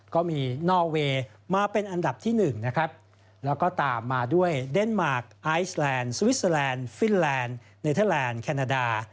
ก็มีนอเวย์มาเป็นอันดับที่๑นะครับแล้วก็ตามมาด้วยเดนมาร์คไอซแลนด์สวิสเตอร์แลนด์ฟินแลนด์เนเทอร์แลนด์แคนาดา